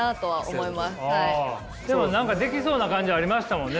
でも何かできそうな感じありましたもんね？